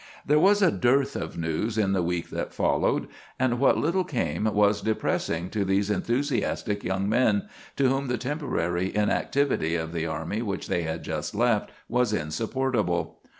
There was a dearth of news in the week that followed, and what little came was depressing to these enthusiastic young men, to whom the temporary inactivity of the army which they had just left was insupportable.